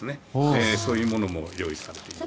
そういうものも用意されています。